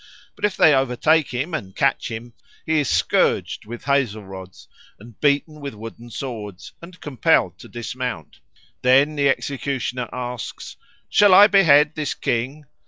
But if they overtake and catch him he is scourged with hazel rods or beaten with the wooden swords and compelled to dismount. Then the executioner asks, "Shall I behead this King?"